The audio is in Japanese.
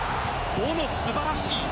ボノ、素晴らしい。